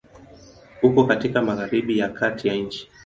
Uko katika Magharibi ya kati ya nchi.